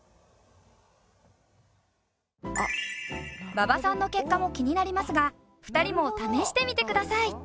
馬場さんの結果も気になりますが２人も試してみてください。